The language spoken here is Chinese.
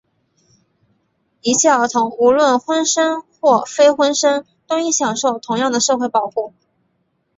一切儿童,无论婚生或非婚生,都应享受同样的社会保护。